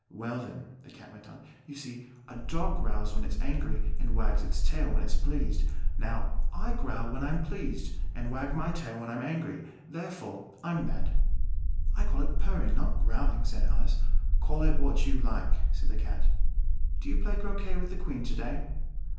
"Well then," the Cat went on, "you see a dog growls when it's angry, and wags its tail when it's pleased. Now I growl when I'm pleased, and wag my tail when I'm angry. Therefore I'm mad." "I call it purring, not growling," said Alice. "Call it what you like," said the Cat. "Do you play croquet with the Queen to day?"